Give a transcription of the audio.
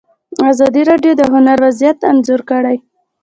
ازادي راډیو د هنر وضعیت انځور کړی.